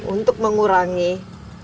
untuk mengurangi kecemburuan